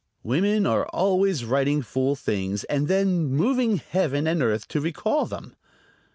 Women are always writing fool things, and then moving Heaven and earth to recall them.